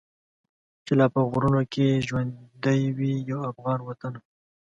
چي لا په غرونو کي ژوندی وي یو افغان وطنه.